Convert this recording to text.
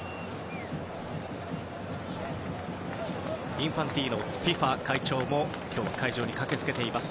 インファンティーノＦＩＦＡ会長も今日は会場に駆けつけています。